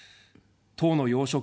党の要職。